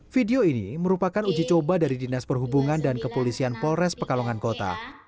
video ini merupakan uji coba dari dinas perhubungan dan kepolisian polres pekalongan kota